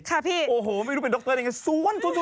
ค่ะพี่โอ้โหไม่รู้เป็นดรยังไงสวนสวนทุกคนเลย